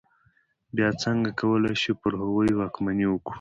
بیا څنګه کولای شو پر هغوی واکمني وکړو.